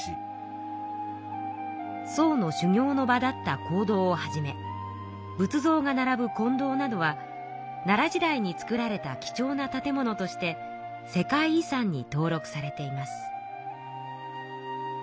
僧の修行の場だった講堂をはじめ仏像がならぶ金堂などは奈良時代に造られた貴重な建物として世界遺産に登録されています。